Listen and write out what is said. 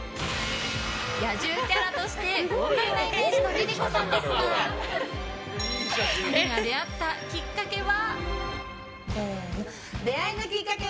野獣キャラとして豪快なイメージのＬｉＬｉＣｏさんですが２人が出会ったきっかけは。